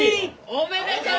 おめでとう！